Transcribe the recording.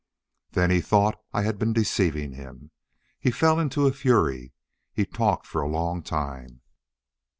"Then he thought I had been deceiving him. He fell into a fury. He talked for a long time.